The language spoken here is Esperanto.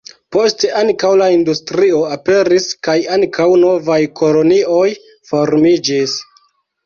Poste ankaŭ la industrio aperis kaj ankaŭ novaj kolonioj formiĝis.